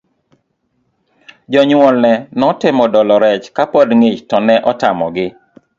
Jounyuolne notemo dolo rech kapod ng'ich to ne otamogi.